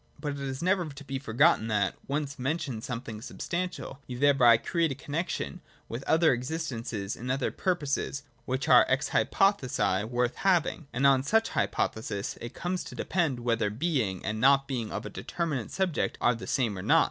But it is never to be forgotten that, once mention something substantial, and you thereby create a connexion with other existences and other pur poses which are ex hypothesi worth having: and on such hypothesis it comes to depend whether the Being and not Being of a determinate subject are the same or not.